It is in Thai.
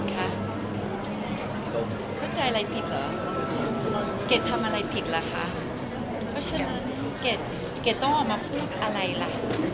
เข้าใจอะไรผิดเหรอเกรดทำอะไรผิดล่ะคะเพราะฉะนั้นเกดต้องออกมาพูดอะไรล่ะ